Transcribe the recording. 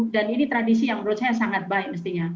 dan ini tradisi yang menurut saya sangat baik mestinya